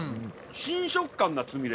新食感なつみれ。